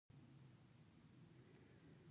په منځ منځ کې به خامه یا سمنټ شوې لاره وه.